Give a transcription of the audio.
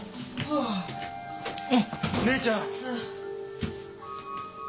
あっ姉ちゃん。